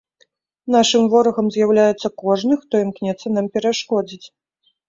Нашым ворагам з'яўляецца кожны, хто імкнецца нам перашкодзіць.